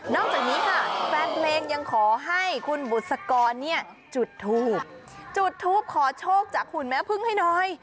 จากนี้ค่ะแฟนเพลงยังขอให้คุณบุษกรเนี่ยจุดทูบจุดทูปขอโชคจากหุ่นแม่พึ่งให้หน่อย